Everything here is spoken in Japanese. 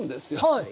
はい。